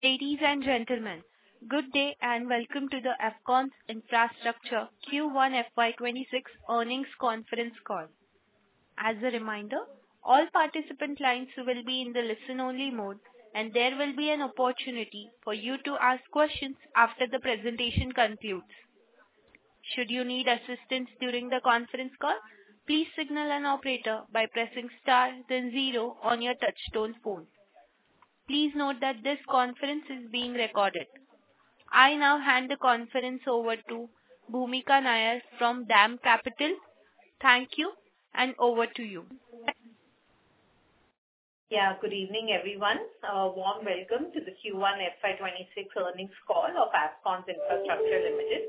Ladies and gentlemen, good day and welcome to the Afcons Infrastructure Q1 FY 2026 Earnings Conference Call. As a reminder, all participant lines will be in the listen-only mode, and there will be an opportunity for you to ask questions after the presentation concludes. Should you need assistance during the conference call, please signal an operator by pressing Star then zero on your touch-tone phone. Please note that this conference is being recorded. I now hand the conference over to Bhoomika Nair from DAM Capital. Thank you, and over to you. Good evening everyone. A warm welcome to the Q1 FY 2026 earnings call of Afcons Infrastructure Limited.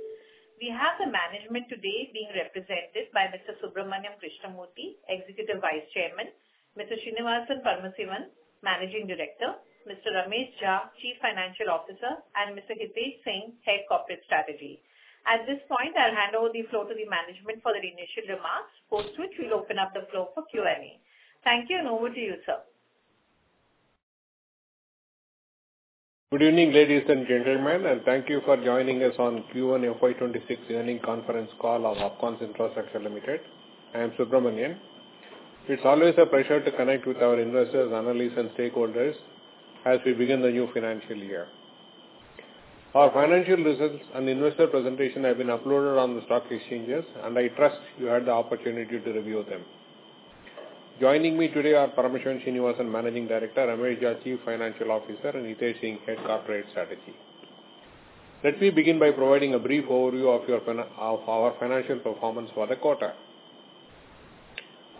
We have management today being represented by Mr. Subramaniam Krishnamurthy, Executive Vice Chairman, Mr. Srinivasan Paramasivan, Managing Director, Mr. Ramesh Jha, Chief Financial Officer, and Mr. Hitesh Singh, Head of Corporate Strategy. At this point, I'll hand over the floor to the management for their initial remarks, after which we'll open up the floor for Q&A. Thank you and over to you, sir. Good evening, ladies and gentlemen, and thank you for joining us on Q1 FY 2026 earnings conference call of Afcons Infrastructure Limited. I am Subramaniam. It's always a pleasure to connect with our investors, analysts, and stakeholders as we begin the new financial year. Our financial results and investor presentation have been uploaded on the stock exchanges, and I trust you had the opportunity to review them. Joining me today are Paramasivan Srinivasan, Managing Director; Ramesh Jha, Chief Financial Officer; and Hitesh Singh, Head Corporate Strategy. Let me begin by providing a brief overview of our financial performance for the quarter.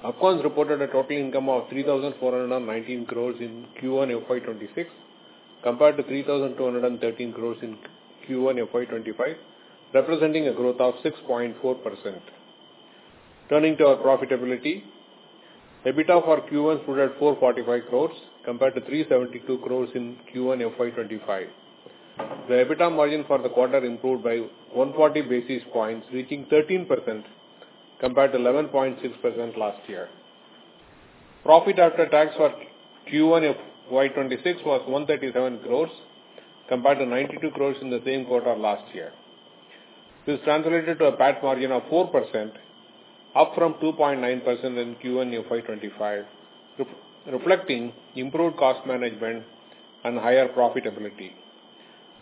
Afcons reported a total income of 3,419 crore in Q1 FY 2026, compared to 3,213 crore in Q1 FY 2025, representing a growth of 6.4%. Turning to our profitability, EBITDA for Q1 put at 445 crore, compared to 372 crore in Q1 FY 2025. The EBITDA margin for the quarter improved by 140 basis points, reaching 13%, compared to 11.6% last year. Profit after tax for Q1 FY 2026 was 137 crore, compared to 92 crore in the same quarter last year. This translated to a PAT margin of 4%, up from 2.9% in Q1 FY 2025, reflecting improved cost management and higher profitability.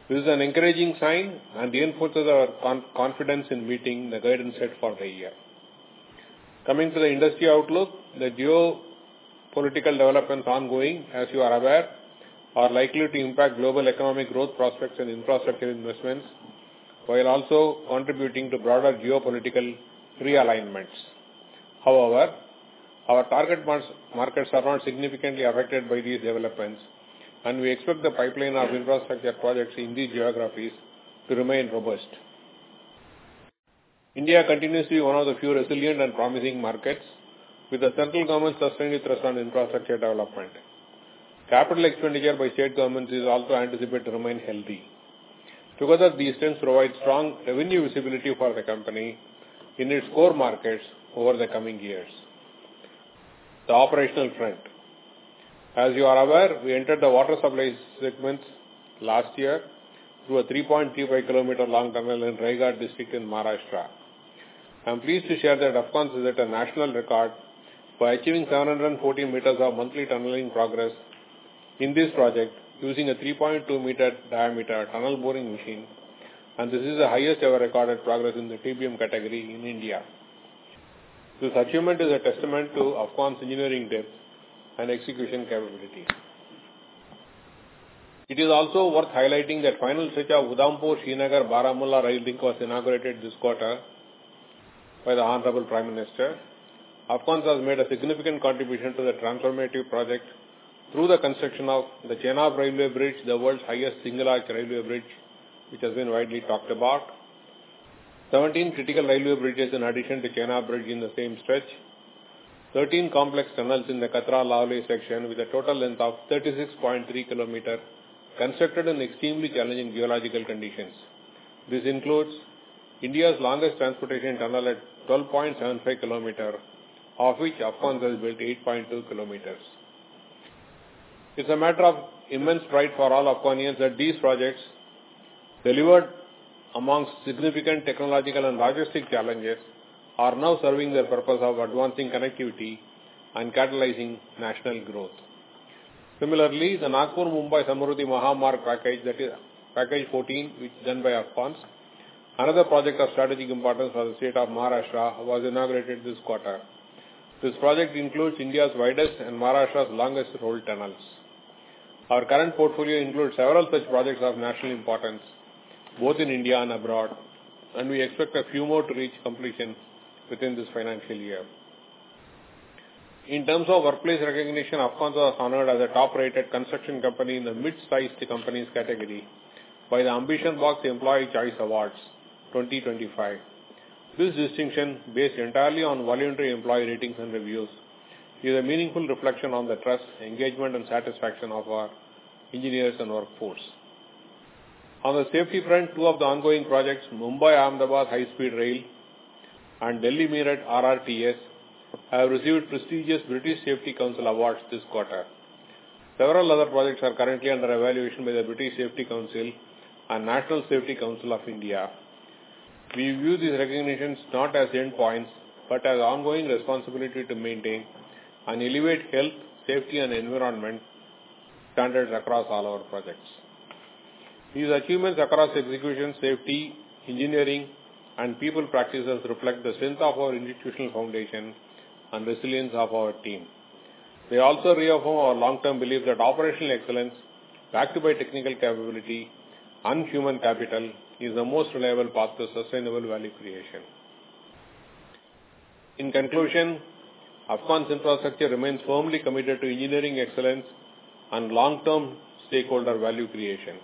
This is an encouraging sign and reinforces our confidence in meeting the guidance set for the year. Coming to the industry outlook, the geopolitical developments ongoing, as you are aware, are likely to impact global economic growth prospects and infrastructure investments, while also contributing to broader geopolitical realignments. However, our target markets are not significantly affected by these developments, and we expect the pipeline of infrastructure projects in these geographies to remain robust. India continues to be one of the few resilient and promising markets, with the central government's sustained interest in infrastructure development. Capital expenditure by state governments is also anticipated to remain healthy. Together, these trends provide strong revenue visibility for the company in its core markets over the coming years. The operational trend, as you are aware, we entered the water supply segments last year through a 3.25 km long tunnel in Raigarh district in Maharashtra. I'm pleased to share that Afcons has set a national record by achieving 714 m of monthly tunneling progress in this project using a 3.2-m diameter tunnel boring machine, and this is the highest ever recorded progress in the TBM category in India. This achievement is a testament to Afcons' engineering depth and execution capabilities. It is also worth highlighting that the final stretch of Udhampur-Srinagar-Baramulla Rail Link was inaugurated this quarter by the Honorable Prime Minister. Afcons has made a significant contribution to the transformative project through the construction of the Chenab Railway Bridge, the world's highest single-arch railway bridge, which has been widely talked about. Seventeen critical railway bridges in addition to the Chenab Bridge in the same stretch, thirteen complex tunnels in the Katra Valley section with a total length of 36.3 km constructed in extremely challenging geological conditions. This includes India's longest transportation tunnel at 12.75 km, of which Afcons has built 8.2 km. It's a matter of immense pride for all Afconians that these projects, delivered amongst significant technological and logistic challenges, are now serving their purpose of advancing connectivity and catalyzing national growth. Similarly, the Nagpur-Mumbai Samruddhi Mahamarg package, that is package 14, which is done by Afcons, another project of strategic importance for the State of Maharashtra, was inaugurated this quarter. This project includes India's widest and Maharashtra's longest road tunnels. Our current portfolio includes several such projects of national importance, both in India and abroad, and we expect a few more to reach completion within this financial year. In terms of workplace recognition, Afcons was honored as a top-rated construction company in the mid-sized companies category by the AmbitionBox Employee Choice Awards 2025. This distinction, based entirely on voluntary employee ratings and reviews, is a meaningful reflection on the trust, engagement, and satisfaction of our engineers and workforce. On the safety front, two of the ongoing projects, Mumbai-Ahmedabad High-Speed Rail and Delhi-Meerut RRTS, have received prestigious British Safety Council awards this quarter. Several other projects are currently under evaluation by the British Safety Council and National Safety Council of India. We view these recognitions not as endpoints, but as ongoing responsibility to maintain and elevate health, safety, and environmental standards across all our projects. These achievements across execution, safety, engineering, and people practices reflect the strength of our institutional foundation and the resilience of our team. They also reaffirm our long-term belief that operational excellence backed by technical capability and human capital is the most reliable path to sustainable value creation. In conclusion, Afcons Infrastructure remains firmly committed to engineering excellence and long-term stakeholder value creation.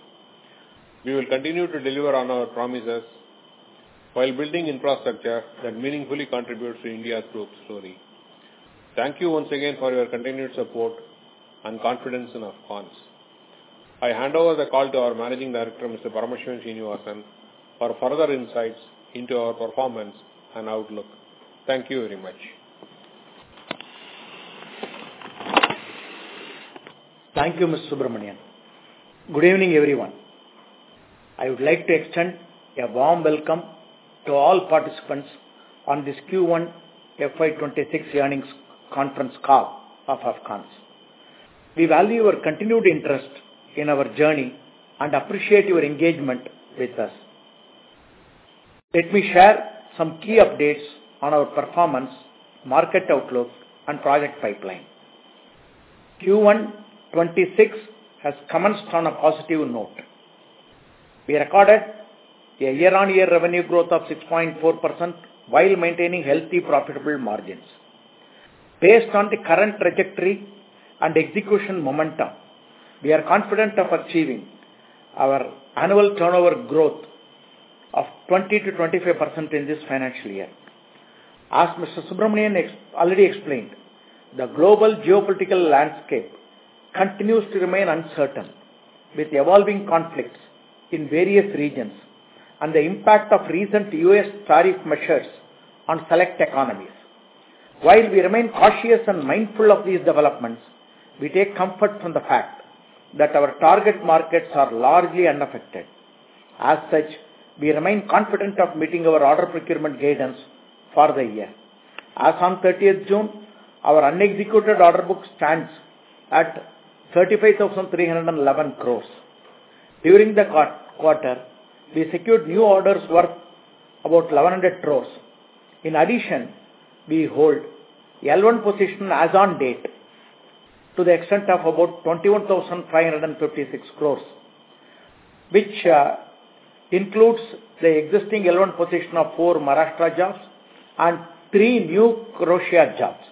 We will continue to deliver on our promises while building infrastructure that meaningfully contributes to India's growth story. Thank you once again for your continued support and confidence in Afcons. I hand over the call to our Managing Director, Mr. Paramasivan Srinivasan, for further insights into our performance and outlook. Thank you very much. Thank you, Mr. Subramaniam. Good evening, everyone. I would like to extend a warm welcome to all participants on this Q1 FY 2026 earnings conference call of Afcons. We value your continued interest in our journey and appreciate your engagement with us. Let me share some key updates on our performance, market outlook, and project pipeline. Q1 FY 2026 has commenced on a positive note. We recorded a year-on-year revenue growth of 6.4% while maintaining healthy, profitable margins. Based on the current trajectory and execution momentum, we are confident of achieving our annual turnover growth of 20%-25% in this financial year. As Mr. Subramaniam already explained, the global geopolitical landscape continues to remain uncertain, with evolving conflicts in various regions and the impact of recent U.S. tariff measures on select economies. While we remain cautious and mindful of these developments, we take comfort from the fact that our target markets are largely unaffected. As such, we remain confident of meeting our order procurement guidance for the year. As on 30th June, our unexecuted order book stands at 35,311 crore. During the quarter, we secured new orders worth about 1,100 crore. In addition, we hold L1 position as on date to the extent of about 21,556 crore, which includes the existing L1 position of four Maharashtra jobs and three new Croatia jobs.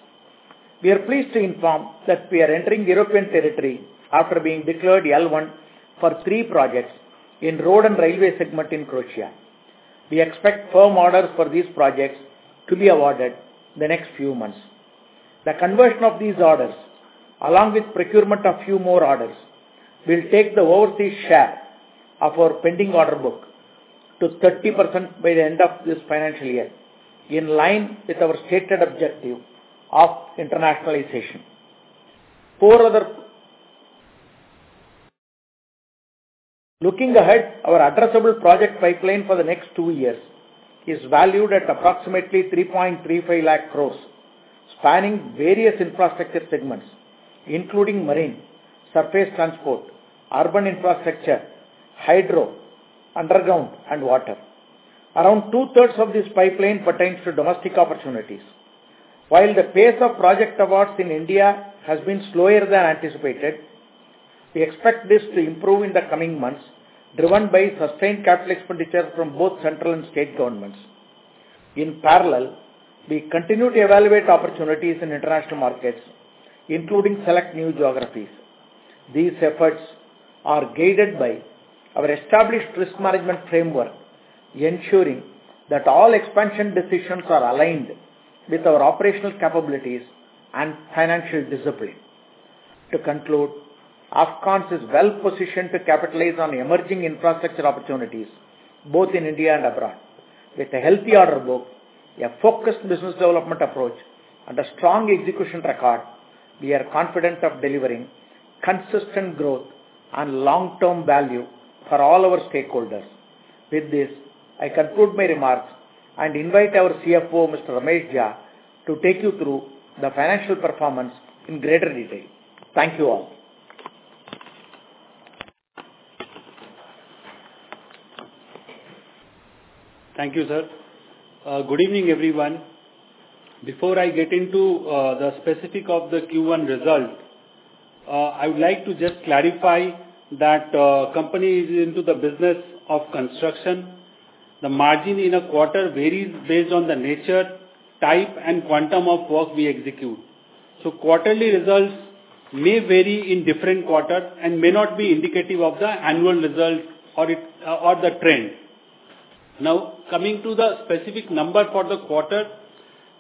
We are pleased to inform that we are entering European territory after being declared L1 for three projects in road and railway segment in Croatia. We expect firm orders for these projects to be awarded in the next few months. The conversion of these orders, along with procurement of a few more orders, will take the worthy share of our pending order book to 30% by the end of this financial year, in line with our stated objective of internationalization. Looking ahead, our addressable project pipeline for the next two years is valued at approximately 3.35 lakh crore, spanning various infrastructure segments, including marine, surface transport, urban infrastructure, hydro, underground, and water. Around 2/3 of this pipeline pertains to domestic opportunities. While the pace of project awards in India has been slower than anticipated, we expect this to improve in the coming months, driven by sustained capital expenditure from both central and state governments. In parallel, we continue to evaluate opportunities in international markets, including select new geographies. These efforts are guided by our established risk management framework, ensuring that all expansion decisions are aligned with our operational capabilities and financial discipline. To conclude, Afcons is well-positioned to capitalize on emerging infrastructure opportunities, both in India and abroad. With a healthy order book, a focused business development approach, and a strong execution record, we are confident of delivering consistent growth and long-term value for all our stakeholders. With this, I conclude my remarks and invite our CFO, Mr. Ramesh Jha, to take you through the financial performance in greater detail. Thank you all. Thank you, sir. Good evening, everyone. Before I get into the specifics of the Q1 result, I would like to just clarify that the company is into the business of construction. The margin in a quarter varies based on the nature, type, and quantum of work we execute. Quarterly results may vary in different quarters and may not be indicative of the annual results or the trend. Now, coming to the specific number for the quarter,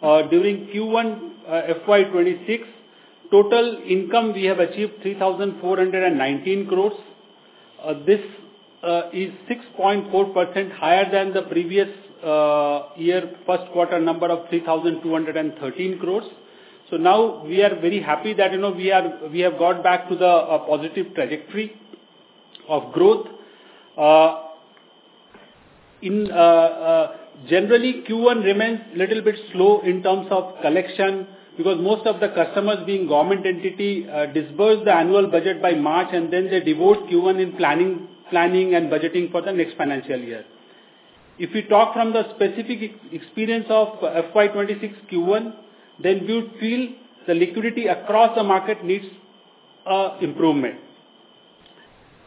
during Q1 FY 2026, total income we have achieved is 3,419 crore. This is 6.4% higher than the previous year, first quarter number of 3,213 crore. We are very happy that we have got back to the positive trajectory of growth. Generally, Q1 remains a little bit slow in terms of collection because most of the customers, being a government entity, disburse the annual budget by March and then they devote Q1 in planning and budgeting for the next financial year. If we talk from the specific experience of FY 2026 Q1, then we would feel the liquidity across the market needs improvement.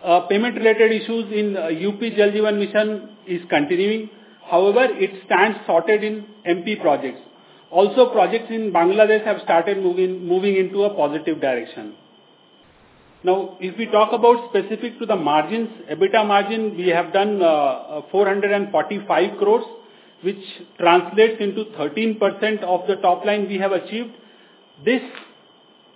Payment-related issues in the UP Jal Jeevan Mission are continuing. However, it stands sorted in MP projects. Also, projects in Bangladesh have started moving into a positive direction. If we talk about specific to the margins, EBITDA margin, we have done 445 crore, which translates into 13% of the top line we have achieved. This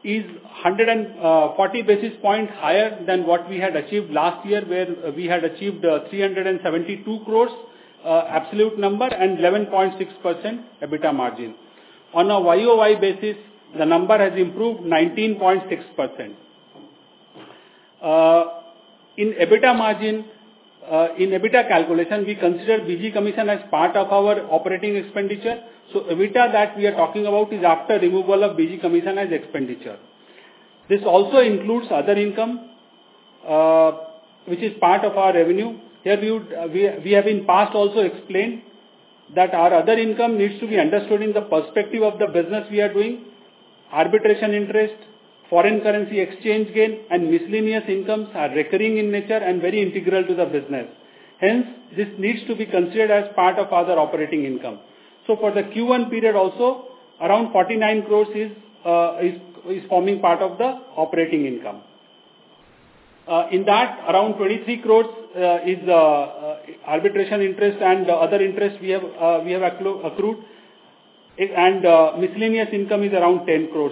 is 140 basis points higher than what we had achieved last year, where we had achieved 372 crore absolute number and 11.6% EBITDA margin. On a YoY basis, the number has improved 19.6%. In EBITDA margin, in EBITDA calculation, we consider BG commission as part of our operating expenditure. EBITDA that we are talking about is after removal of BG commission as expenditure. This also includes other income, which is part of our revenue. Here, we have in the past also explained that our other income needs to be understood in the perspective of the business we are doing. Arbitration interest, foreign currency exchange gain, and miscellaneous incomes are recurring in nature and very integral to the business. Hence, this needs to be considered as part of other operating income. For the Q1 period, also, around 49 crore is forming part of the operating income. In that, around 23 crore is the arbitration interest and the other interest we have accrued, and miscellaneous income is around 10 crore.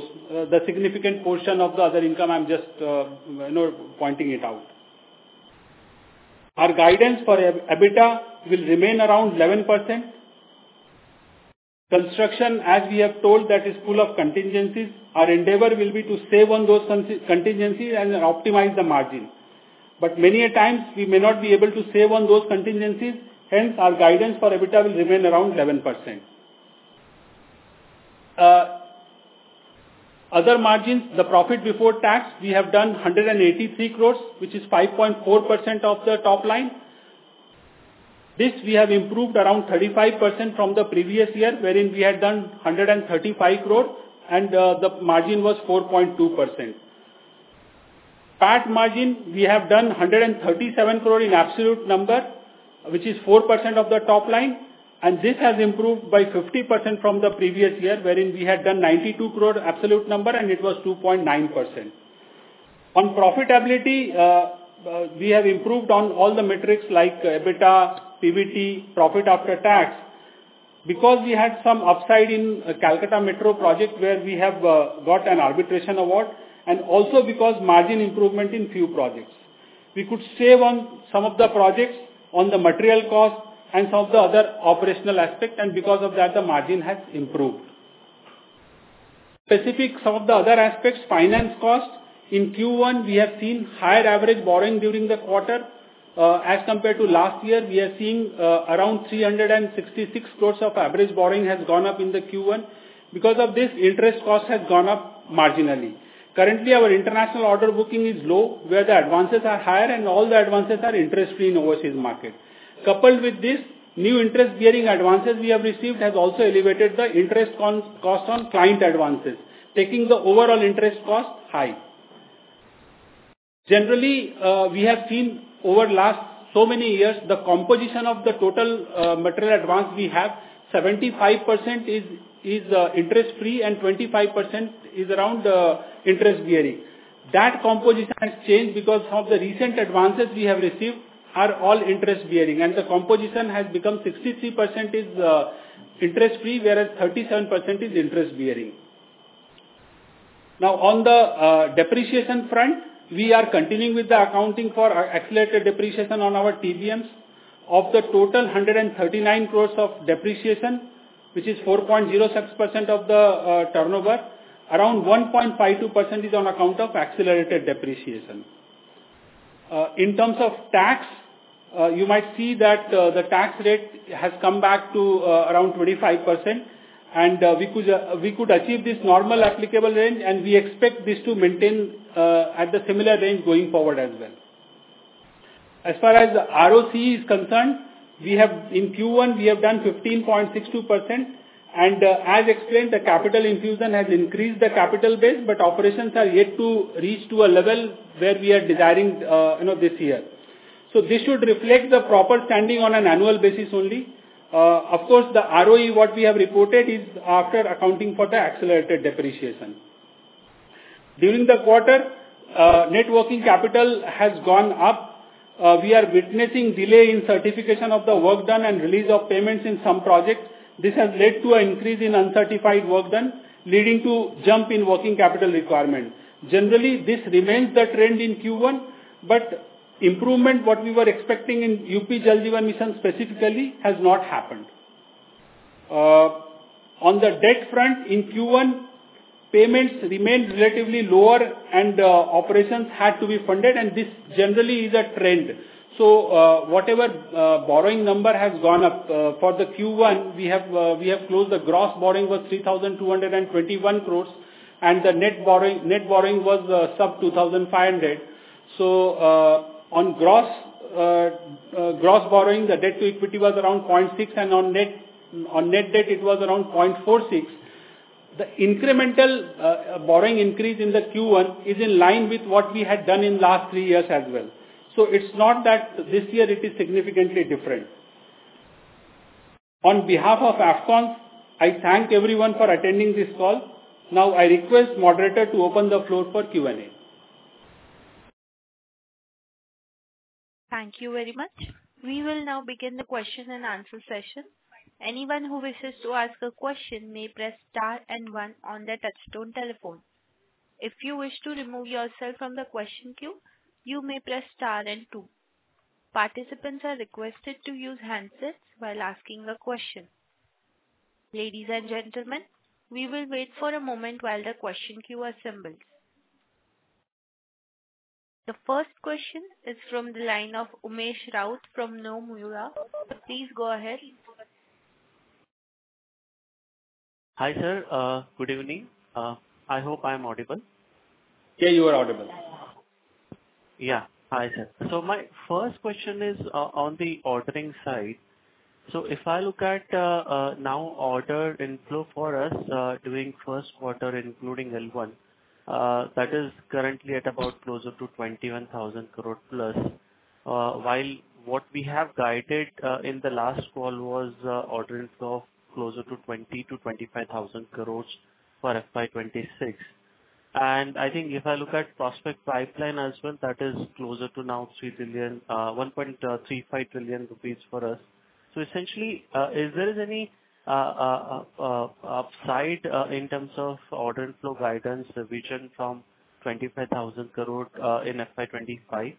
The significant portion of the other income, I'm just pointing it out. Our guidance for EBITDA will remain around 11%. Construction, as we have told, that is full of contingencies. Our endeavor will be to save on those contingencies and optimize the margin. Many times, we may not be able to save on those contingencies. Hence, our guidance for EBITDA will remain around 11%. Other margins, the profit before tax, we have done 183 crores, which is 5.4% of the top line. This, we have improved around 35% from the previous year, wherein we had done 135 crores, and the margin was 4.2%. PAT margin, we have done 137 crores in absolute number, which is 4% of the top line, and this has improved by 50% from the previous year, wherein we had done 92 crores absolute number, and it was 2.9%. On profitability, we have improved on all the metrics like EBITDA, PBT, profit after tax, because we had some upside in the Kolkata Metro project where we have got an arbitration award, and also because of margin improvement in a few projects. We could save on some of the projects on the material cost and some of the other operational aspects, and because of that, the margin has improved. Specific to some of the other aspects, finance cost in Q1, we have seen higher average borrowing during the quarter. As compared to last year, we are seeing around 366 crores of average borrowing has gone up in the Q1. Because of this, interest cost has gone up marginally. Currently, our international order booking is low, where the advances are higher, and all the advances are interest-free in the overseas market. Coupled with this, new interest-bearing advances we have received have also elevated the interest cost on client advances, taking the overall interest cost high. Generally, we have seen over the last so many years, the composition of the total material advance we have, 75% is interest-free and 25% is around the interest-bearing. That composition has changed because of the recent advances we have received are all interest-bearing, and the composition has become 63% is interest-free, whereas 37% is interest-bearing. Now, on the depreciation front, we are continuing with the accounting for accelerated depreciation on our TBMs. Of the total 139 crores of depreciation, which is 4.07% of the turnover, around 1.52% is on account of accelerated depreciation. In terms of tax, you might see that the tax rate has come back to around 25%, and we could achieve this normal applicable range, and we expect this to maintain at the similar range going forward as well. As far as the ROC is concerned, we have in Q1, we have done 15.62%, and as explained, the capital infusion has increased the capital base, but operations are yet to reach a level where we are desiring this year. This should reflect the proper standing on an annual basis only. Of course, the ROE, what we have reported is after accounting for the accelerated depreciation. During the quarter, net working capital has gone up. We are witnessing delay in certification of the work done and release of payments in some projects. This has led to an increase in uncertified work done, leading to a jump in working capital requirement. Generally, this remains the trend in Q1, but improvement, what we were expecting in UP Jal Jeevan Mission specifically, has not happened. On the debt front, in Q1, payments remained relatively lower, and operations had to be funded, and this generally is a trend. Whatever borrowing number has gone up for the Q1, we have closed the gross borrowing was 3,221 crore, and the net borrowing was sub 2,500 crore. On gross borrowing, the debt-to-equity was around 0.6, and on net debt, it was around 0.46. The incremental borrowing increase in the Q1 is in line with what we had done in the last three years as well. It is not that this year it is significantly different. On behalf of Afcons Infrastructure Limited, I thank everyone for attending this call. I request the moderator to open the floor for Q&A. Thank you very much. We will now begin the question-and-answer session. Anyone who wishes to ask a question may press Star and one on their touchstone telephone. If you wish to remove yourself from the question queue, you may press Star and two. Participants are requested to use handsets while asking a question. Ladies and gentlemen, we will wait for a moment while the question queue assembles. The first question is from the line of Umesh Raut from Nomura. Please go ahead. Hi, sir. Good evening. I hope I am audible. Yeah, you are audible. Yeah. Hi, sir. My first question is on the ordering side. If I look at our order inflow during the first quarter, including L1, that is currently at about 21,000 crore+, while what we have guided in the last call was order inflow of closer to 20,000-25,000 crore for FY 2026. I think if I look at the prospect pipeline as well, that is closer to 3 trillion, 1.35 trillion rupees for us. Essentially, if there is any upside in terms of order inflow guidance, the region from 25,000 crore in FY 2025.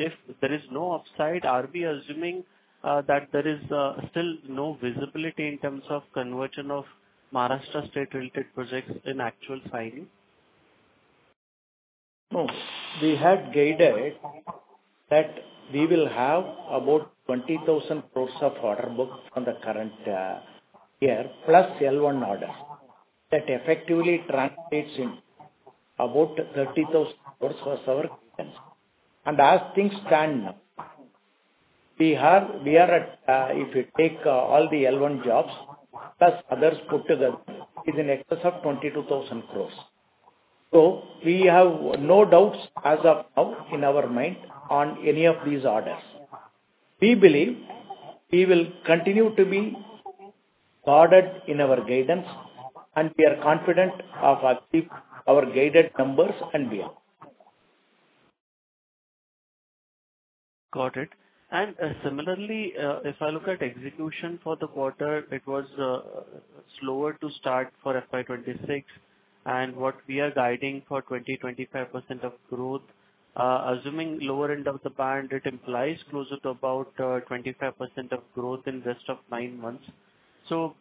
If there is no upside, are we assuming that there is still no visibility in terms of conversion of Maharashtra state-related projects in actual filing? No, we had guided that we will have about 20,000 crore of order book on the current year plus L1 orders that effectively tracked in about 30,000 crore for our clients. As things stand now, we are at, if you take all the L1 jobs plus others put together, in excess of 22,000 crore. We have no doubts as of now in our mind on any of these orders. We believe we will continue to be guarded in our guidance, and we are confident of our guided numbers and beyond. Got it. Similarly, if I look at execution for the quarter, it was slower to start for FY 2026. What we are guiding for is 20%-25% of growth. Assuming the lower end of the band, it implies closer to about 25% of growth in the rest of nine months.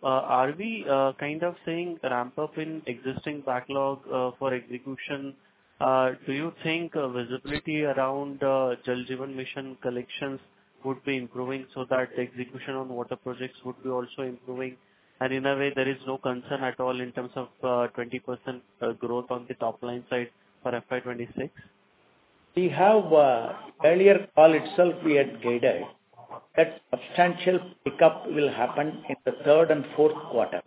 Are we kind of seeing a ramp-up in existing backlog for execution? Do you think visibility around Jal Jeevan Mission collections would be improving so that the execution on water projects would be also improving? In a way, there is no concern at all in terms of 20% growth on the top line side for FY 2026? We have earlier call itself, we had guided that substantial pickup will happen in the third and fourth quarter.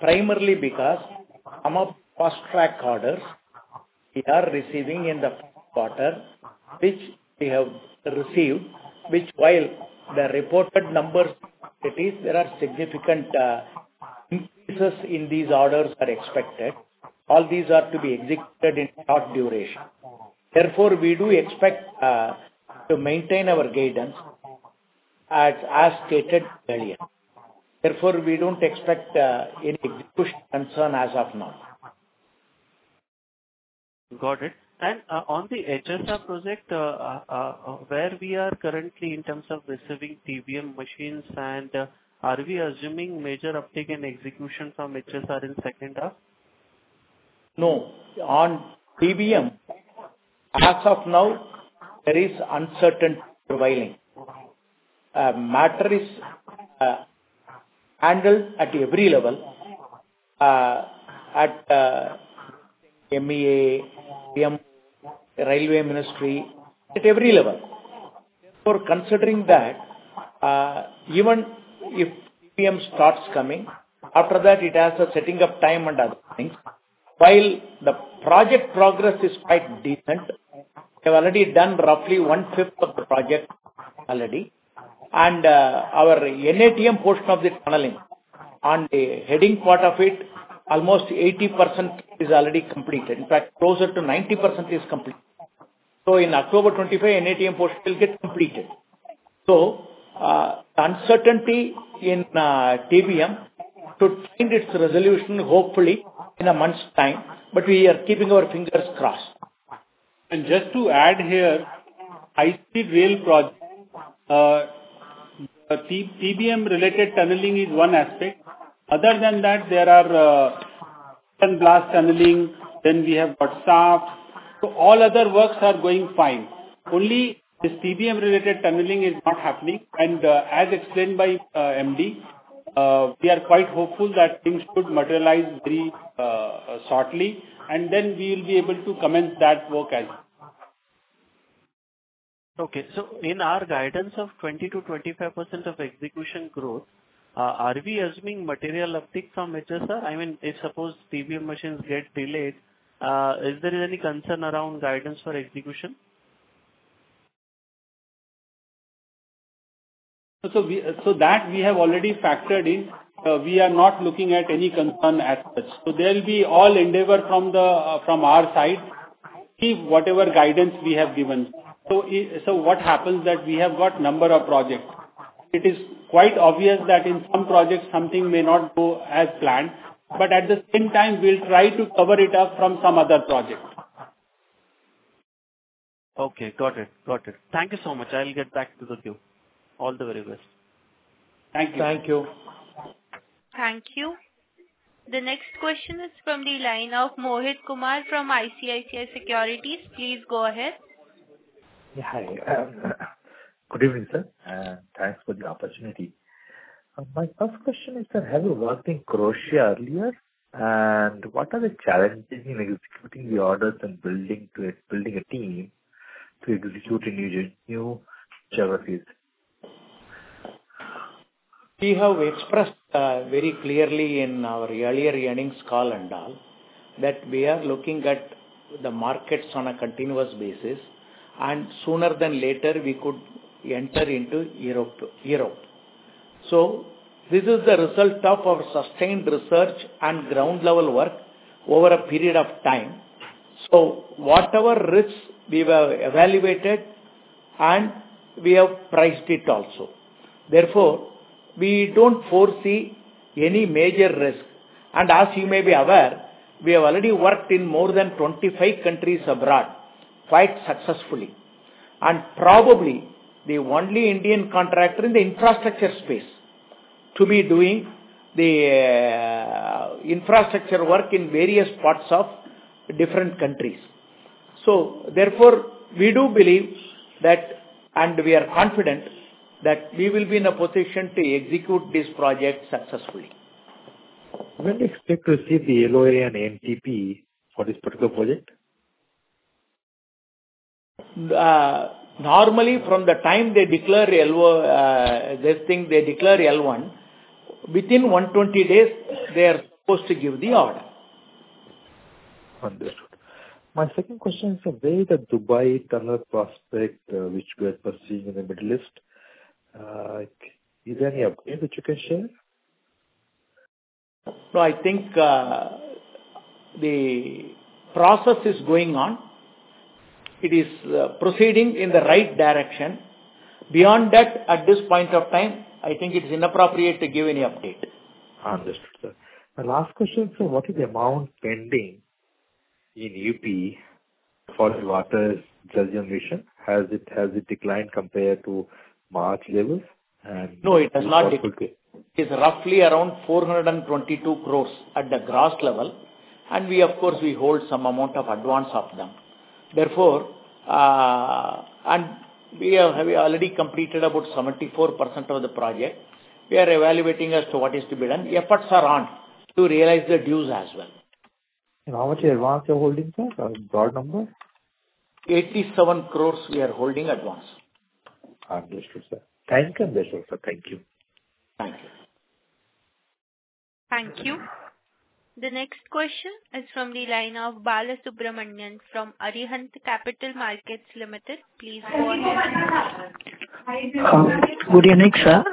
Primarily because some of the cross-track orders we are receiving in the quarter, which we have received, which while the reported numbers it is, there are significant increases in these orders are expected. All these are to be executed in short duration. Therefore, we do expect to maintain our guidance as stated earlier. Therefore, we don't expect any execution concern as of now. Got it. On the HSR project, where are we currently in terms of receiving TBM machines, and are we assuming major uptake in execution from HSR in the second half? No. On TBM, as of now, there is uncertainty prevailing. Matters are handled at every level, at MEA, TBM, railway ministry, at every level. For considering that, even if TBM starts coming, after that, it has a setting of time and other things. While the project progress is quite decent, we have already done roughly 1/5 of the project already. Our NATM portion of the tunneling, on the heading part of it, almost 80% is already completed. In fact, closer to 90% is complete. In October 2025, NATM portion will get completed. The uncertainty in TBM should find its resolution, hopefully, in a month's time, but we are keeping our fingers crossed. Just to add here, IC Rail project, TBM-related tunneling is one aspect. Other than that, there are ten blast tunneling, then we have WhatsApp. All other works are going fine. Only this TBM-related tunneling is not happening. As explained by MD, we are quite hopeful that things should materialize very shortly, and we will be able to commence that work as well. In our guidance of 20%-25% of execution growth, are we assuming material uptake from HSR? I mean, if suppose TBM machines get delayed, is there any concern around guidance for execution? That we have already factored in. We are not looking at any concern as such. There will be all endeavor from our side to keep whatever guidance we have given. What happens is that we have a number of projects. It is quite obvious that in some projects, something may not go as planned. At the same time, we'll try to cover it up from some other projects. Okay, got it. Thank you so much. I'll get back to the queue. All the very best. Thank you. Thank you. Thank you. The next question is from the line of Mohit Kumar from ICICI Securities. Please go ahead. Yeah, hi. Good evening, sir. Thanks for the opportunity. My first question is, sir, have you worked in Croatia earlier? What are the challenges in executing the orders and building a team to execute in your new geographies? We have expressed very clearly in our earlier earnings call that we are looking at the markets on a continuous basis, and sooner than later, we could enter into Europe. This is the result of our sustained research and ground-level work over a period of time. Whatever risks we have evaluated, we have priced it also. Therefore, we don't foresee any major risk. As you may be aware, we have already worked in more than 25 countries abroad, quite successfully, and probably the only Indian contractor in the infrastructure space to be doing the infrastructure work in various parts of different countries. We do believe that, and we are confident that we will be in a position to execute these projects successfully. When do you expect to see the LOA and NTP for this particular project? Normally, from the time they declare L1, within 120 days, they are supposed to give the order. Understood. My second question is, the way that Dubai Teller prospect, which we are pursuing in the Middle East, is there any update that you can share? No, I think the process is going on. It is proceeding in the right direction. Beyond that, at this point of time, I think it's inappropriate to give any update. Understood, sir. My last question is, sir, what is the amount pending in UP for the Jal Jeevan Mission? Has it declined compared to March levels? No, it has not decreased. It's roughly around 422 crore at the gross level. We, of course, hold some amount of advance of them. Therefore, we have already completed about 74% of the project. We are evaluating as to what is to be done. Efforts are on to realize the dues as well. How much advance are you holding for? A broad number? 87 crore we are holding advance. Understood, sir. Thank you for this, sir. Thank you. Thank you. Thank you. The next question is from the line of Bala Subramanian from Arihant Capital Markets Limited. Please go ahead. Good evening, sir.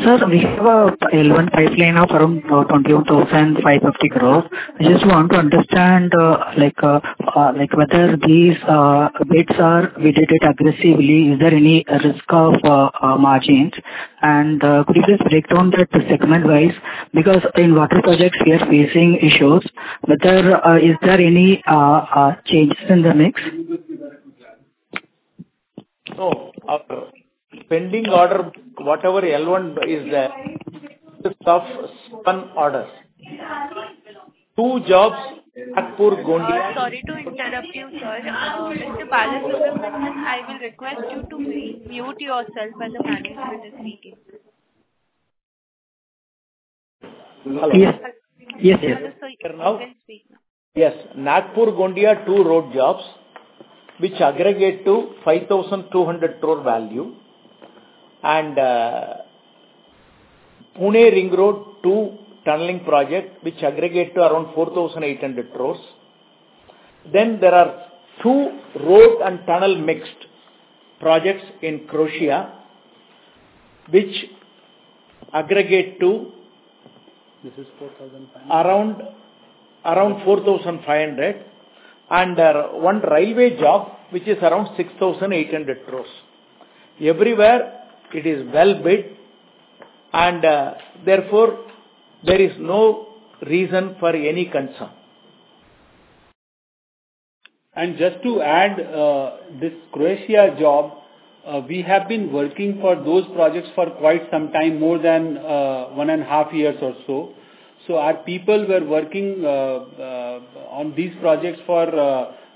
Sir, we have a L1 pipeline of around 21,550 crore. I just want to understand, like, whether these bids are we did it aggressively. Is there any risk of margins? Could you please break down that segment-wise? Because in water projects, we are facing issues. Is there any changes in the mix? No. Pending order, whatever L1 is there, it's a tough spun order. Two jobs at Pur Gondia. I'm sorry to interrupt you, sir. Mr. Balasubramanian, I will request you to mute yourself as a manager this weekend. Yes, yes. Yes. Nagpur Gondia two road jobs, which aggregate to 5,200 crore value, and Pune Ring Road two tunneling projects, which aggregate to around 4,800 crore. There are two road and tunnel mixed projects in Croatia, which aggregate to around 4,500 crore, and one railway job, which is around 6,800 crore. Everywhere, it is well bid, and therefore, there is no reason for any concern. Just to add, this Croatia job, we have been working for those projects for quite some time, more than one and a half years or so. Our people were working on these projects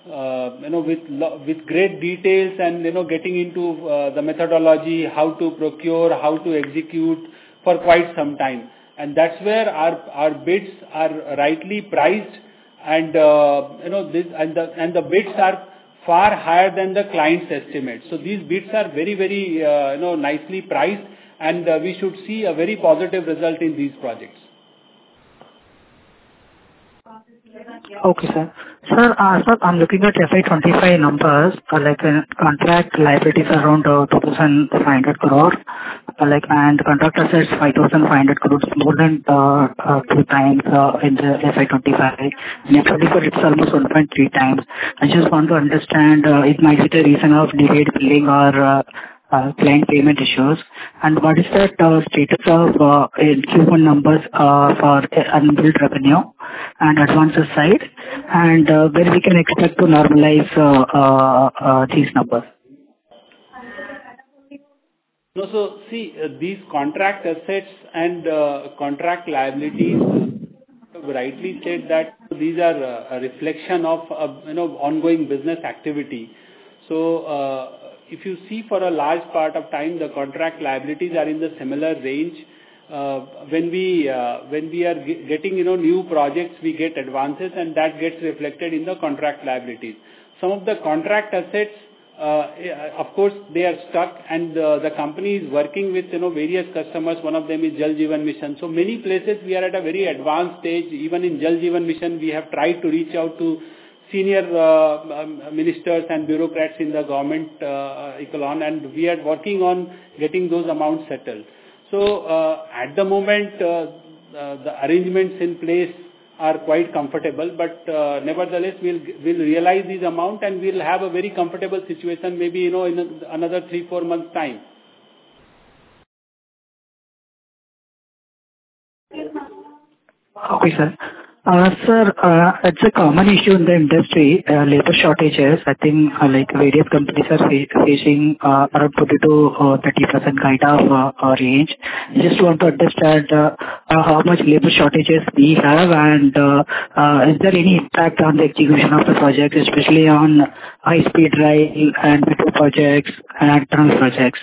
with great details and getting into the methodology, how to procure, how to execute for quite some time. That is where our bids are rightly priced, and the bids are far higher than the client's estimate. These bids are very, very nicely priced, and we should see a very positive result in these projects. Okay, sir. Sir, I thought I'm looking at FY 2025 numbers, like contract liabilities around 2,500 crore. The contractor says 5,500 crore, more than three times in the FY 2025. I believe it's almost 1.3x. I just want to understand, is it a reason of delayed billing or client payment issues? What is the status of the increment numbers for unbilled revenue and advance aside? Where can we expect to normalize these numbers? No, so see, these contract assets and contract liabilities rightly state that these are a reflection of ongoing business activity. If you see for a large part of time, the contract liabilities are in the similar range. When we are getting new projects, we get advances, and that gets reflected in the contract liabilities. Some of the contract assets, of course, they are stuck, and the company is working with various customers. One of them is Jal Jeevan Mission. In many places, we are at a very advanced stage. Even in Jal Jeevan Mission, we have tried to reach out to senior ministers and bureaucrats in the government, and we are working on getting those amounts settled. At the moment, the arrangements in place are quite comfortable. Nevertheless, we'll realize these amounts, and we'll have a very comfortable situation maybe in another three, four months' time. Okay, sir. Sir, it's a common issue in the industry, labor shortages. I think, like, various companies are facing around 42% or 30% kind of range. I just want to understand how much labor shortages we have, and is there any impact on the execution of the projects, especially on high-speed rail and metro projects and tram projects?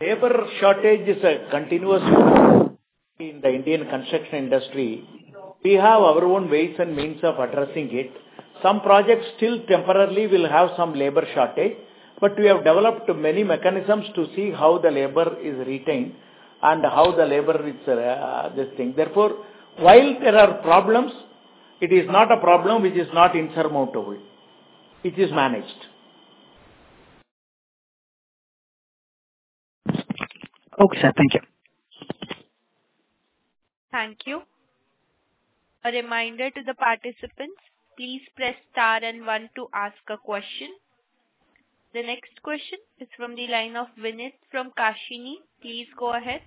Labor shortage is a continuous issue in the Indian construction industry. We have our own ways and means of addressing it. Some projects still temporarily will have some labor shortage, but we have developed many mechanisms to see how the labor is retained and how the labor is sustained. Therefore, while there are problems, it is not a problem which is not insurmountable. It is managed. Okay, sir. Thank you. Thank you. A reminder to the participants, please press Star and one to ask a question. The next question is from the line of Vineet from Kashini. Please go ahead.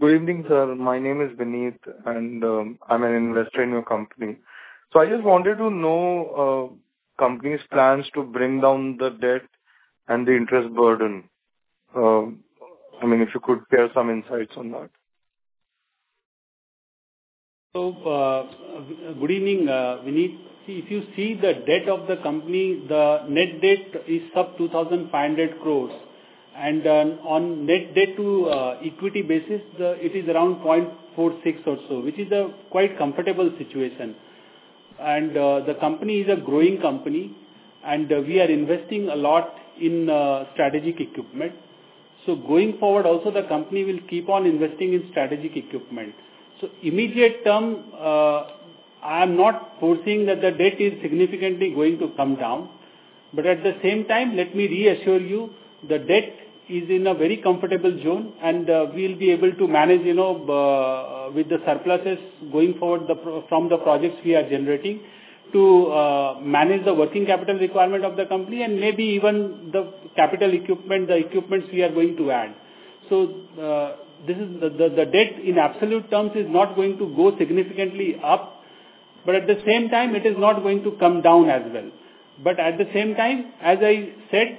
Good evening, sir. My name is Vineet, and I'm an investor in your company. I just wanted to know the company's plans to bring down the debt and the interest burden. I mean, if you could share some insights on that. Good evening, Vineet. If you see the debt of the company, the net debt is sub 2,500 crore. On a net debt-to-equity basis, it is around 0.46% or so, which is a quite comfortable situation. The company is a growing company, and we are investing a lot in strategic equipment. Going forward, also, the company will keep on investing in strategic equipment. In the immediate term, I am not foreseeing that the debt is significantly going to come down. At the same time, let me reassure you, the debt is in a very comfortable zone, and we'll be able to manage, you know, with the surpluses going forward from the projects we are generating to manage the working capital requirement of the company and maybe even the capital equipment, the equipment we are going to add. The debt in absolute terms is not going to go significantly up. At the same time, it is not going to come down as well. As I said,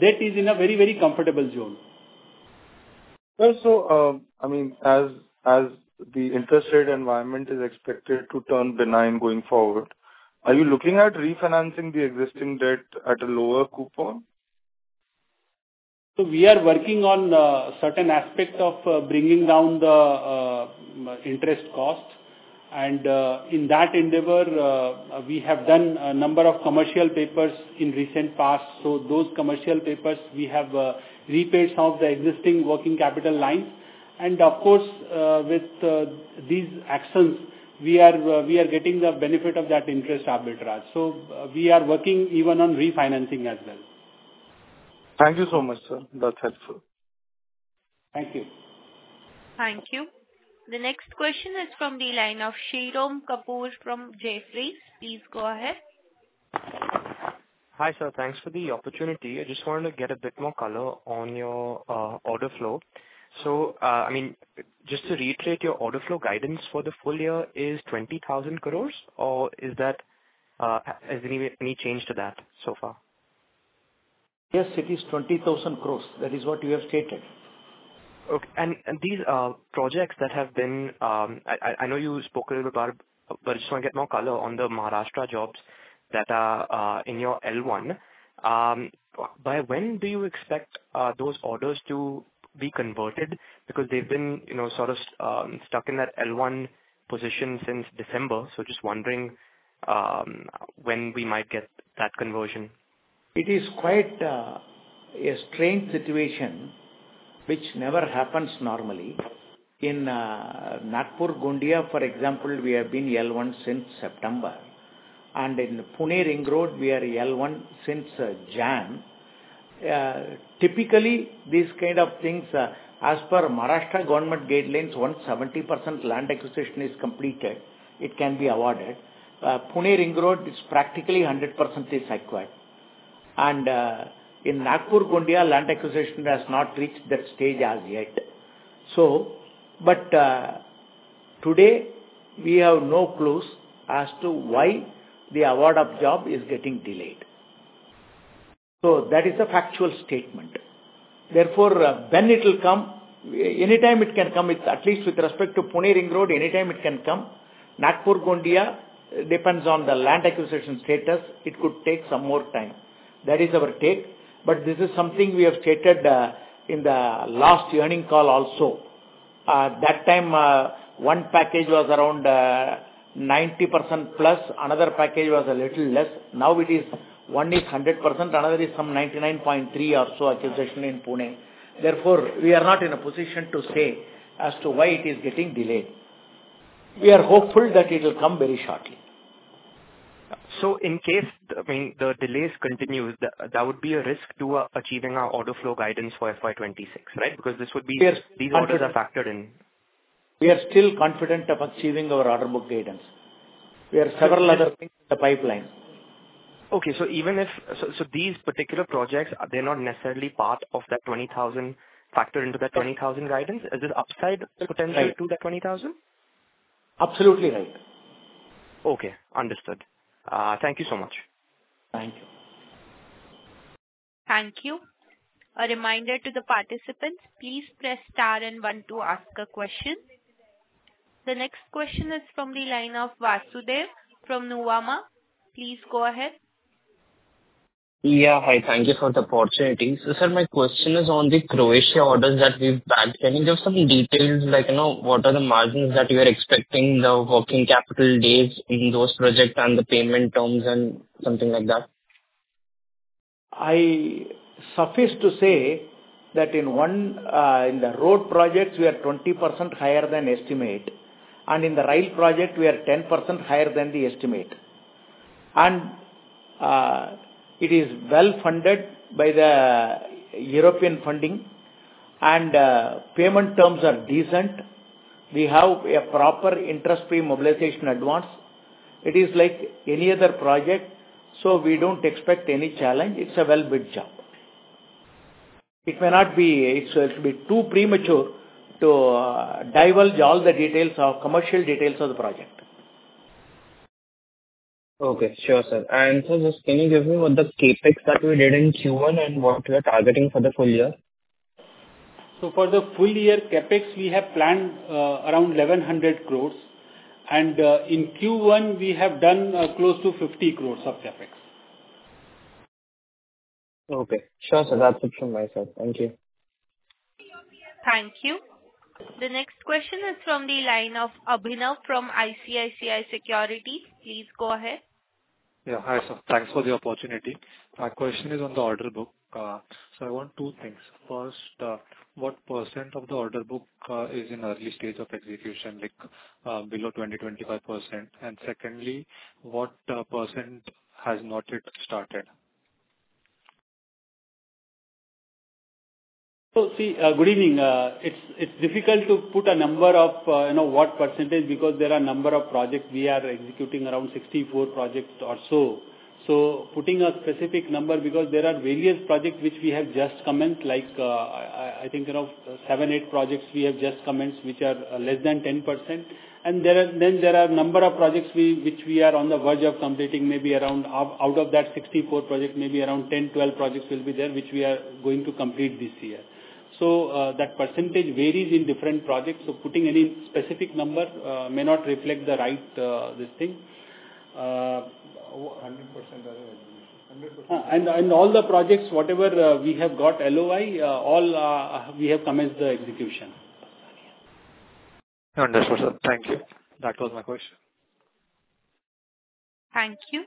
debt is in a very, very comfortable zone. Sir, as the interest rate environment is expected to turn benign going forward, are you looking at refinancing the existing debt at a lower coupon? We are working on certain aspects of bringing down the interest cost. In that endeavor, we have done a number of commercial papers in the recent past. Those commercial papers have repaid some of the existing working capital lines. With these actions, we are getting the benefit of that interest arbitrage. We are working even on refinancing as well. Thank you so much, sir. That's helpful. Thank you. Thank you. The next question is from the line of Shirom Kapur from Jeffries. Please go ahead. Hi, sir. Thanks for the opportunity. I just wanted to get a bit more color on your order flow. I mean, just to reiterate, your order flow guidance for the full year is 20,000 crore, or has there been any change to that so far? Yes, it is 20,000 crore. That is what you have stated. Okay. These projects that have been, I know you spoke a little bit about it, but I just want to get more color on the Maharashtra jobs that are in your L1. By when do you expect those orders to be converted? They've been sort of stuck in that L1 position since December. Just wondering when we might get that conversion. It is quite a strange situation, which never happens normally. In Nagpur Gondia, for example, we have been L1 since September. In Pune Ring Road, we are L1 since January. Typically, these kinds of things, as per Maharashtra government guidelines, once 70% land acquisition is completed, it can be awarded. Pune Ring Road is practically 100% acquired. In Nagpur Gondia, land acquisition has not reached that stage as yet. Today, we have no clue as to why the award of job is getting delayed. That is a factual statement. Therefore, when it will come, anytime it can come, at least with respect to Pune Ring Road, anytime it can come. Nagpur Gondia depends on the land acquisition status. It could take some more time. That is our take. This is something we have stated in the last earnings call also. At that time, one package was around 90%+. Another package was a little less. Now it is one is 100%. Another is some 99.3% or so acquisition in Pune. Therefore, we are not in a position to say as to why it is getting delayed. We are hopeful that it will come very shortly. In case, I mean, the delays continue, that would be a risk to achieving our order flow guidance for FY 2026, right? Because these are the factors in. We are still confident of achieving our order book guidance. There are several other things in the pipeline. Okay. Even if these particular projects, they're not necessarily part of that 20,000 crores factored into that 20,000 crores guidance. Is it upside to put in right to that 20,000 crores? Absolutely right. Okay. Understood. Thank you so much. Thank you. Thank you. A reminder to the participants, please press star and one to ask a question. The next question is from the line of Vasudev from Nuvama. Please go ahead. Yeah, hi. Thank you for the opportunity. Sir, my question is on the Croatia orders that we've been. Can you give us some details, like, you know, what are the margins that we are expecting, the working capital days in those projects, the payment terms, and something like that? I suffice to say that in one, in the road projects, we are 20% higher than estimate. In the rail project, we are 10% higher than the estimate. It is well funded by the European funding, and payment terms are decent. We have a proper interest-free mobilization advance. It is like any other project. We don't expect any challenge. It's a well-built job. It may not be, it will be too premature to divulge all the details, commercial details of the project. Okay. Sure, sir. Sir, just can you give me what the CapsEx that we did in Q1 and what we are targeting for the full year? For the full year, CapEx, we have planned around 1,100 crores. In Q1, we have done close to 50 crore of CapEx. Okay. Sure, sir. That's it from my side. Thank you. Thank you. The next question is from the line of Abhinav from ICICI Securities. Please go ahead. Yeah, hi, sir. Thanks for the opportunity. My question is on the order book. I want two things. First, what percent of the order book is in the early stage of execution, like below 20%-25%? Secondly, what percent has not yet started? Good evening. It's difficult to put a number of, you know, what percentage because there are a number of projects we are executing, around 64 projects or so. Putting a specific number because there are various projects which we have just commenced, like I think, you know, seven, eight projects we have just commenced, which are less than 10%. There are a number of projects which we are on the verge of completing, maybe around out of that 64 projects, maybe around 10, 12 projects will be there, which we are going to complete this year. That perecentage varies in different projects. Putting any specific number may not reflect the right, this thing. 100%. All the projects, whatever we have got LOI, we have commenced the execution. Understood, sir. Thank you. That was my question. Thank you.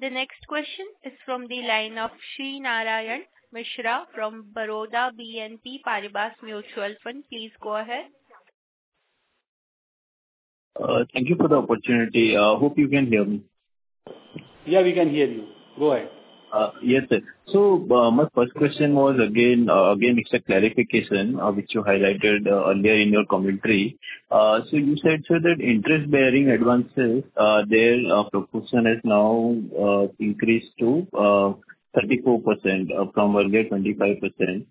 The next question is from the line of Srinarayan Mishra from Baroda BNP Paribas Mutual Fund. Please go ahead. Thank you for the opportunity. I hope you can hear me. Yeah, we can hear you. Go ahead. Yes, sir. My first question was, again, it's a clarification of which you highlighted earlier in your commentary. You said, sir, that interest-bearing advances, their proportion has now increased to 34%, up from earlier 25%.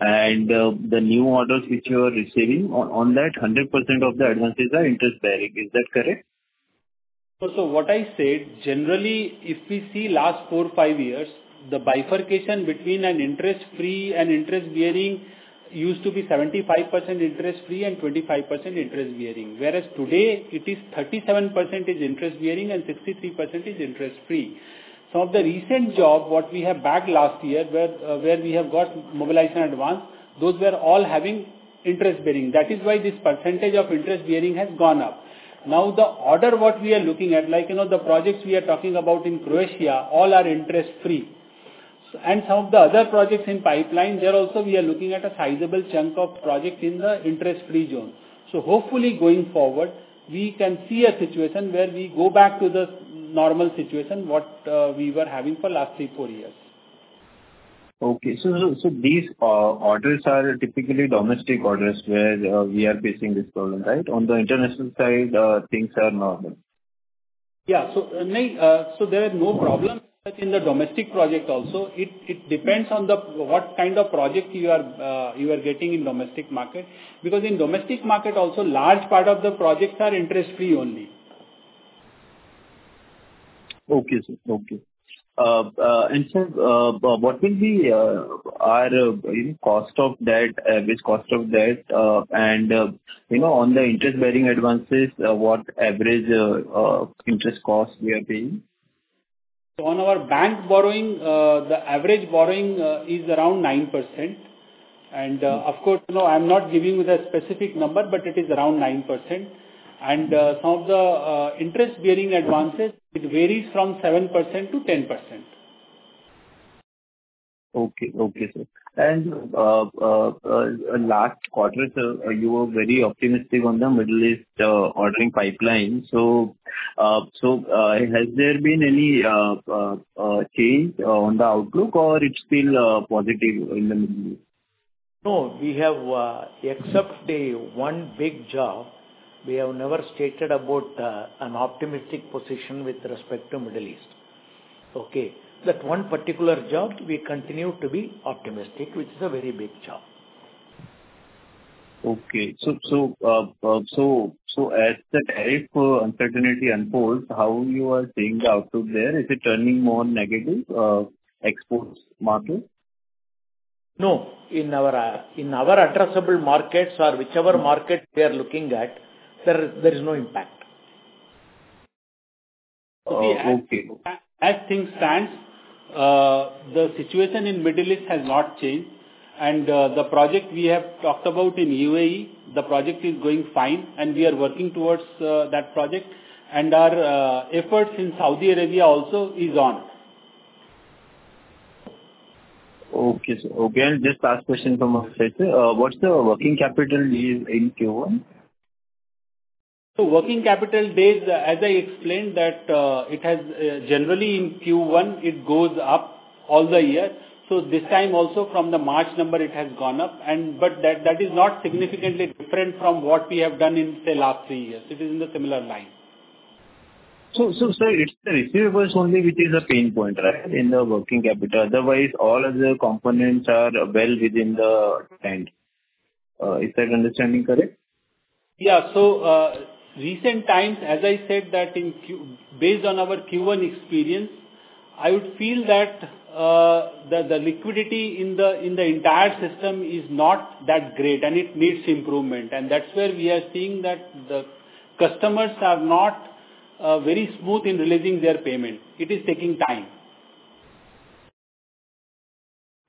The new orders which you are receiving on that, 100% of the advances are interest-bearing. Is that correct? What I said, generally, if we see the last four or five years, the bifurcation between interest-free and interest-bearing used to be 75% interest-free and 25% interest-bearing, whereas today, it is 37% interest-bearing and 63% interest-free. Some of the recent jobs we have bagged last year, where we have got mobilization advance, those were all having interest-bearing. That is why this percentage of interest-bearing has gone up. Now, the order we are looking at, like the projects we are talking about in Croatia, all are interest-free. Some of the other projects in the pipeline, there also, we are looking at a sizable chunk of projects in the interest-free zone. Hopefully, going forward, we can see a situation where we go back to the normal situation we were having for the last three or four years. Okay. These orders are typically domestic orders where we are facing this problem, right? On the international side, things are normal. Yeah, there are no problems in the domestic project also. It depends on what kind of project you are getting in the domestic market because in the domestic market also, a large part of the projects are interest-free only. Okay, sir. Okay. Sir, what will be our cost of debt, average cost of debt, and on the interest-bearing advances, what average interest cost are we paying? On our bank borrowing, the average borrowing is around 9%. Of course, I'm not giving you the specific number, but it is around 9%. Some of the interest-bearing advances vary from 7%-10%. Okay, sir. Last quarter, you were very optimistic on the Middle East ordering pipeline. Has there been any change on the outlook, or it's still positive in the Middle East? No, we have, except the one big job, we have never stated about an optimistic position with respect to the Middle East. That one particular job, we continue to be optimistic, which is a very big job. As that headache for uncertainty unfolds, how are you seeing the outlook there? Is it turning more negative exports market? No. In our addressable markets or whichever markets they are looking at, there is no impact. As things stand, the situation in the Middle East has not changed. The project we have talked about in UAE, the project is going fine, and we are working towards that project. Our efforts in Saudi Arabia also are on. Okay, sir. Okay. Just last question from us, what's the working capital days in Q1? Working capital days, as I explained, generally in Q1, it goes up all the year. This time also from the March number, it has gone up, but that is not significantly different from what we have done in the last three years. It is in the similar line. Sir, if you were to tell me which is the pain point in the working capital, otherwise, all of the components are well within the trend. Is that understanding correct? Yeah. Recent times, as I said, based on our Q1 experience, I would feel that the liquidity in the entire system is not that great, and it needs improvement. That's where we are seeing that the customers are not very smooth in releasing their payment. It is taking time.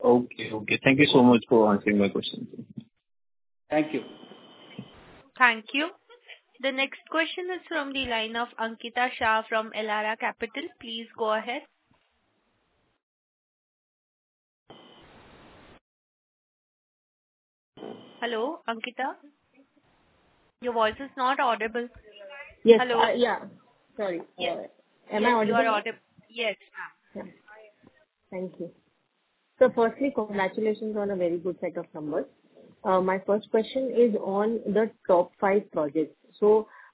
Okay. Thank you so much for answering my question. Thank you. Thank you. The next question is from the line of Ankita Shah from Elara Capital. Please go ahead. Hello, Ankita. Your voice is not audible. Yes, hello. Sorry. Am I audible? You are audible. Yes. Thank you. Firstly, congratulations on a very good set of numbers. My first question is on the top five projects.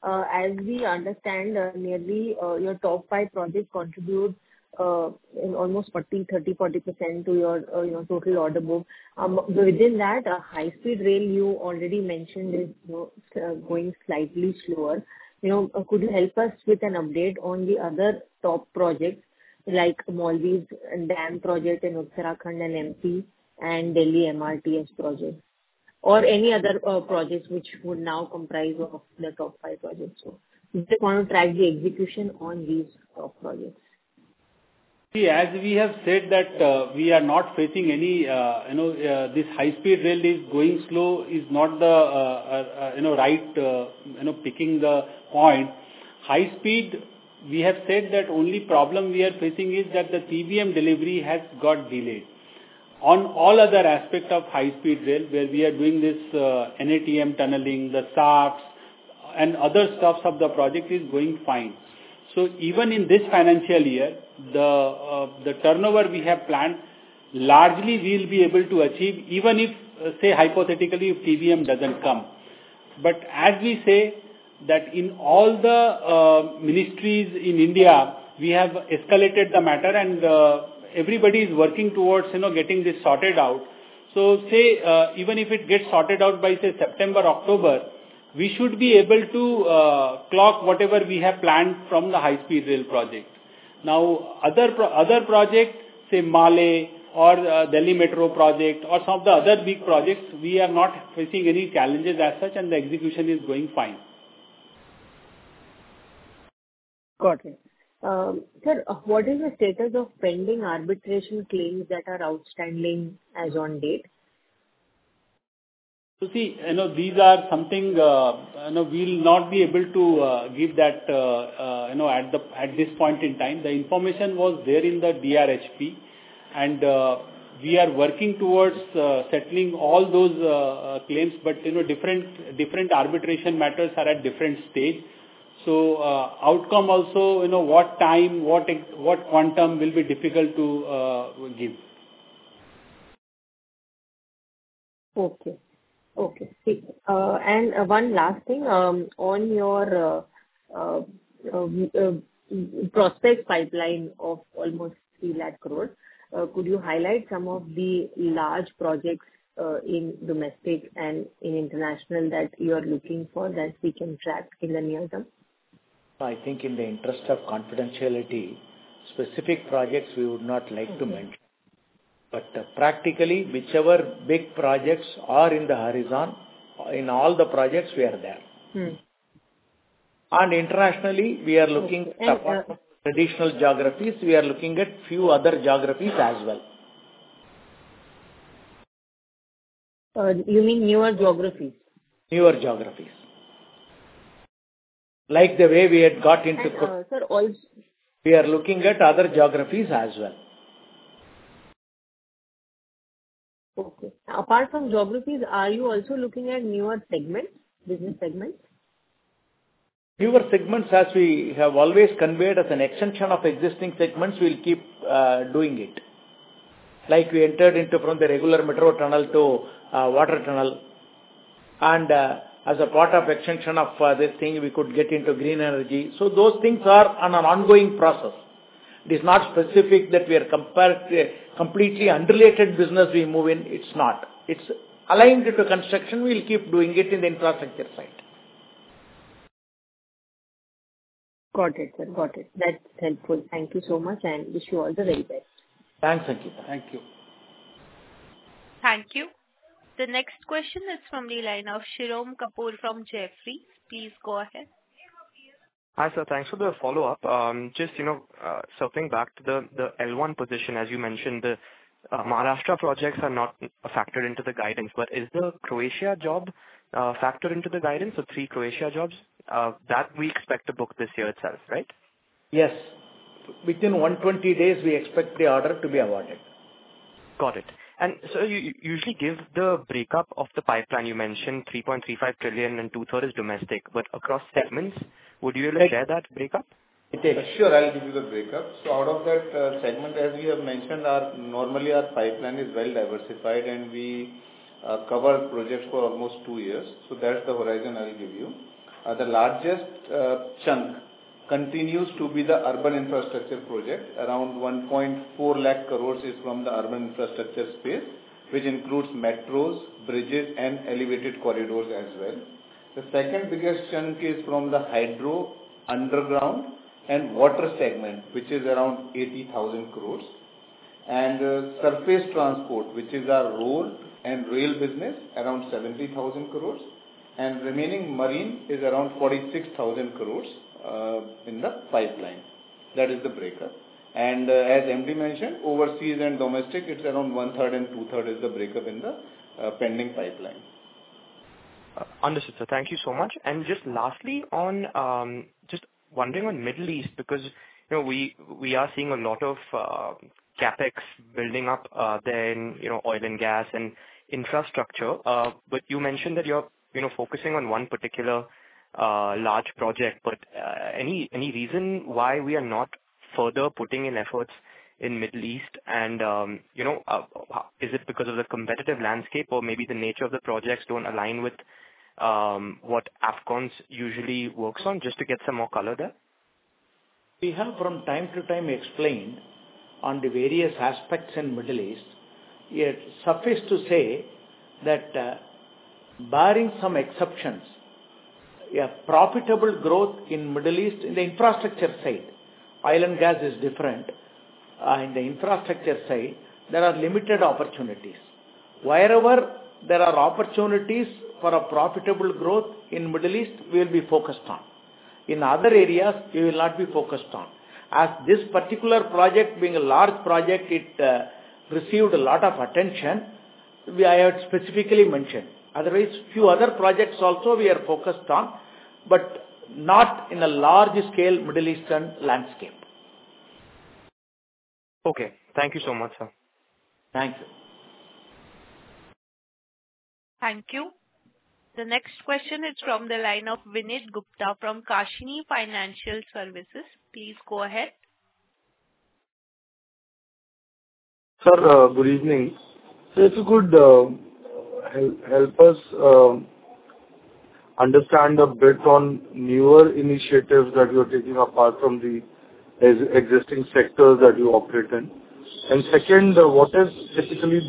As we understand, nearly your top five projects contribute almost 30%-40% to your total order book. Within that, High Speed Rail, you already mentioned, is going slightly slower. Could you help us with an update on the other top projects like Mall Weaves and Dam project in Uttarakhand and MT and Delhi MRTS project, or any other projects which would now comprise the top five projects? If you can track the execution on these top projects. See, as we have said, we are not facing any, you know, this High Speed Rail is going slow is not the, you know, right, you know, picking the point. High Speed, we have said that the only problem we are facing is that the TBM delivery has got delayed. On all other aspects of High Speed Rail, where we are doing this NATM tunneling, the SAFs, and other stuff of the project is going fine. Even in this financial year, the turnover we have planned largely we'll be able to achieve, even if, say, hypothetically, if TBM doesn't come. As we say, in all the ministries in India, we have escalated the matter, and everybody is working towards, you know, getting this sorted out. Even if it gets sorted out by, say, September, October, we should be able to clock whatever we have planned from the High Speed Rail project. Other projects, say, Malay or Delhi Metro project or some of the other big projects, we are not facing any challenges as such, and the execution is going fine. Got it. Sir, what is the status of pending arbitration claims that are outstanding as on date? These are something we'll not be able to give at this point in time. The information was there in the DRHP, and we are working towards settling all those claims, but different arbitration matters are at different stages. Outcome also, what time, what quantum will be difficult to give. Okay. Okay. One last thing. On your prospect pipeline of almost 300,000 crore, could you highlight some of the large projects in domestic and in international that you are looking for that we can track in the near term? I think in the interest of confidentiality, specific projects we would not like to mention. Practically, whichever big projects are in the horizon, in all the projects, we are there. Internationally, we are looking at traditional geographies. We are looking at a few other geographies as well. You mean newer geographies? Newer geographies, like the way we had got into. Sir, all. We are looking at other geographies as well. Okay. Apart from geographies, are you also looking at newer segments, business segments? Newer segments, as we have always conveyed as an extension of existing segments, we'll keep doing it. Like we entered into from the regular metro tunnel to water tunnel. As a part of the extension of this thing, we could get into green energy. Those things are an ongoing process. It is not specific that we are a completely unrelated business we move in. It's not. It's aligned to construction. We'll keep doing it in the infrastructure side. Got it, sir. Got it. That's helpful. Thank you so much, and wish you all the best. Thanks, Ankita. Thank you. Thank you. The next question is from the line of Shirom Kapur from Jefferies. Please go ahead. Hi, sir. Thanks for the follow-up. Circling back to the L1 position, as you mentioned, the Maharashtra projects are not factored into the guidance. Is the Croatia job factored into the guidance, the three Croatia jobs that we expect to book this year itself, right? Yes, within 120 days, we expect the order to be awarded. Got it. Sir, you usually give the breakup of the pipeline. You mentioned 3.35 trillion and 2/3 domestic. Across segments, would you like to share that breakup? Sure, I'll give you the breakup. Out of that segment, as we have mentioned, normally our pipeline is well diversified, and we cover projects for almost two years. That's the horizon I'll give you. The largest chunk continues to be the urban infrastructure project. Around 1.4 lakh crores is from the urban infrastructure space, which includes metros, bridges, and elevated corridors as well. The second biggest chunk is from the hydro underground and water segment, which is around 80,000 crores. The surface transport, which is our road and rail business, is around 70,000 crores. The remaining marine is around 46,000 crores in the pipeline. That is the breakup. As the Managing Director mentioned, overseas and domestic, it's around 1/3 and 2/3 is the breakup in the pending pipeline. Understood, sir. Thank you so much. Just lastly, I'm just wondering on the Middle East, because, you know, we are seeing a lot of CapEx building up there, you know, oil and gas and infrastructure. You mentioned that you're, you know, focusing on one particular large project. Any reason why we are not further putting in efforts in the Middle East? Is it because of the competitive landscape or maybe the nature of the projects don't align with what Afcons usually works on? Just to get some more color there. We have, from time to time, explained on the various aspects in the Middle East. It's suffice to say that, barring some exceptions, profitable growth in the Middle East, in the infrastructure side, oil and gas is different. In the infrastructure side, there are limited opportunities. Wherever there are opportunities for a profitable growth in the Middle East, we'll be focused on. In other areas, we will not be focused on. As this particular project, being a large project, it received a lot of attention, I have specifically mentioned. Otherwise, a few other projects also we are focused on, but not in a large-scale Middle Eastern landscape. Okay, thank you so much, sir. Thanks, sir. Thank you. The next question is from the line of Vineet Gupta from Kashini Financial Services. Please go ahead. Sir, good evening. Sir, if you could help us understand a bit on newer initiatives that you're taking apart from the existing sectors that you operate in. Second, what is specifically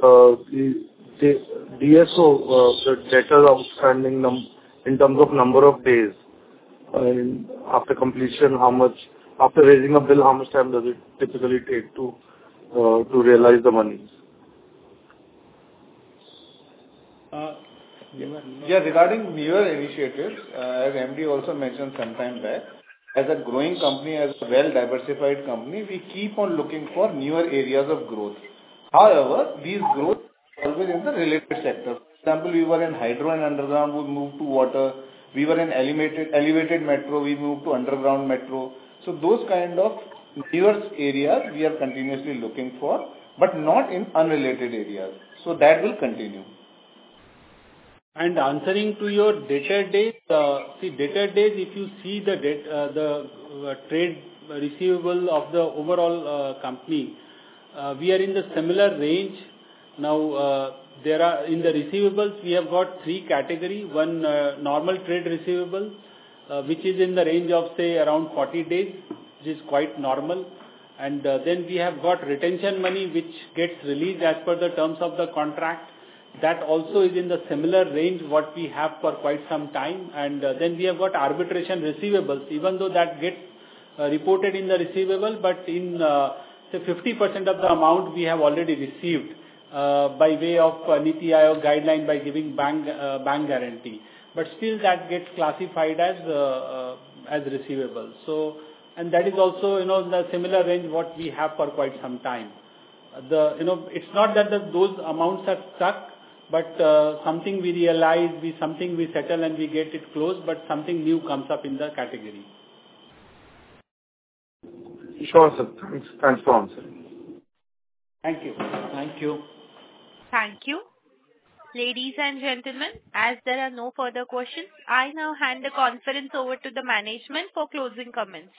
the DSO, the debtor outstanding number in terms of number of days? After completion, how much, after raising a bill, how much time does it typically take to realize the monies? Yeah, regarding newer initiatives, as MD also mentioned sometime back, as a growing company, as a well-diversified company, we keep on looking for newer areas of growth. However, these growths are always in the related sector. For example, we were in hydro and underground, we moved to water. We were in elevated metro, we moved to underground metro. Those kinds of newer areas we are continuously looking for, but not in unrelated areas. That will continue. Answering to your data dates, see, data dates, if you see the trade receivable of the overall company, we are in the similar range. Now, in the receivables, we have got three categories. One, normal trade receivable, which is in the range of, say, around 40 days, which is quite normal. Then we have got retention money, which gets released as per the terms of the contract. That also is in the similar range we have had for quite some time. Then we have got arbitration receivables. Even though that gets reported in the receivable, in, say, 50% of the amount we have already received by way of NEPIO guideline by giving bank guarantee. Still, that gets classified as receivables, and that is also in the similar range we have had for quite some time. It's not that those amounts are stuck, but something we realize, something we settle, and we get it closed, but something new comes up in the category. Sure, sir. Thanks for answering. Thank you. Thank you. Thank you. Ladies and gentlemen, as there are no further questions, I now hand the conference over to the management for closing comments.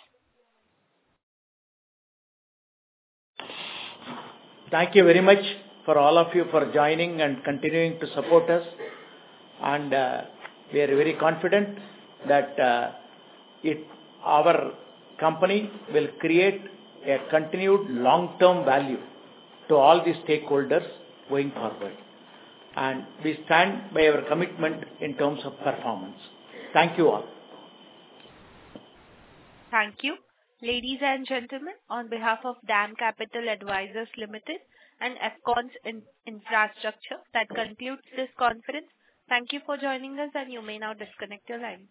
Thank you very much for all of you for joining and continuing to support us. We are very confident that our company will create a continued long-term value to all these stakeholders going forward. We stand by our commitment in terms of performance. Thank you all. Thank you. Ladies and gentlemen, on behalf of DAM Capital and Afcons Infrastructure Limited, that concludes this conference. Thank you for joining us, and you may now disconnect your line.